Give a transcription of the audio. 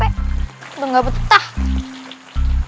udah gak betul betul